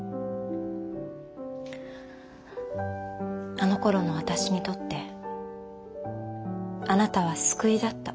あのころの私にとってあなたは救いだった。